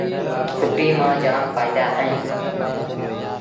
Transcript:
ڦُٽيٚ مآݩ جآم ڦآئيٚدآ اهيݩ